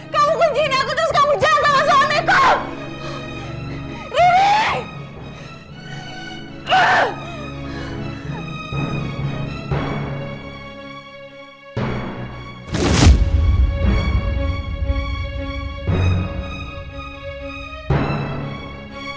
kamu kuncin aku terus kamu jatuh sama suaminya kau